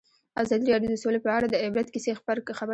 ازادي راډیو د سوله په اړه د عبرت کیسې خبر کړي.